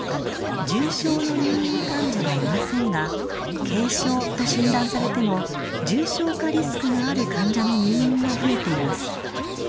重症の入院患者はいませんが軽症と診断されても重症化リスクがある患者の入院が増えています。